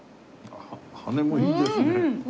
羽もいいですね。